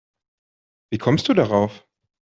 Wie kommst du darauf?